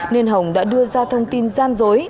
nên hồng đã đưa ra thông tin gian dối